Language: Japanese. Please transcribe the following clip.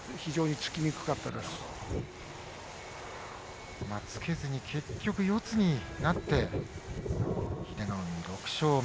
突けずに結局四つになって英乃海６勝目。